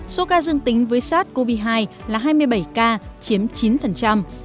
số ca dương tính với sars cov hai là hai mươi bảy ca chiếm chín